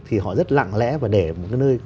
thì họ rất lặng lẽ và để một cái nơi